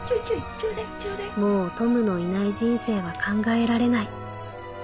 もうトムのいない人生は考えられない。